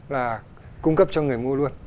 và cung cấp cho người mua luôn